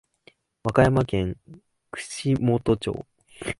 和歌山県串本町